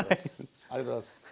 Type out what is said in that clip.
ありがとうございます。